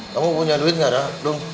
kamu punya duit nggak dong